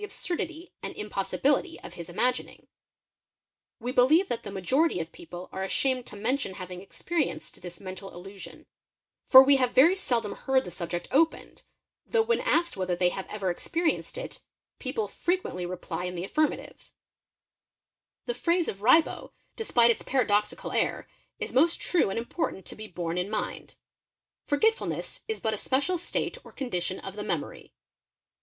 absurdity and impossibility of his imagining. believe that the majority of people are ashamed to mention having 'perienced this mental illusion; for we have very seldom heard the ject opened, though when asked whether they have ever experienced people frequently reply in the affirmative. eet ye | wee) ew Se ee yr rie? OE &, 78 EXAMINATION OF WITNESSES The phrase of Ribot, despite its paradoxical air, is most true and im portant to be borne in mind; " Forgetfulness is but a special state or condition of the memory.